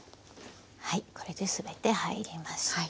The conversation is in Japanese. はいこれで全て入りました。